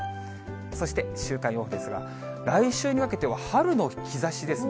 そして週間予報ですが、来週にかけては春の兆しですね。